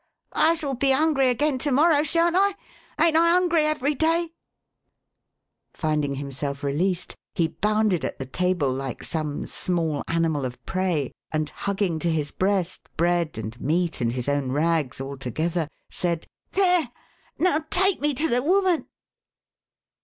" I shall be hungry again to morrow, sha'n't I ? Ain't I hungry even* day ?" 446 THE HAUNTED MAN. Finding himself released, he bounded at the table like ;some> small animal of prey, and hugging to his breast bread and meat, and his own rags, all together, said :" There ! Now take me to the woman